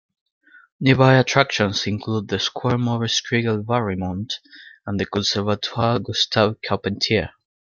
Nearby attractions include the Square Maurice Kriegel-Valrimont and the Conservatoire Gustave Charpentier.